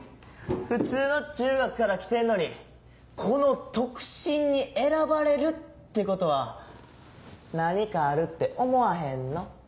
普通の中学から来てんのにこの特進に選ばれるってことは何かあるって思わへんの？